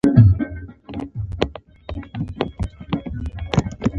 کومه لار ته ځئ؟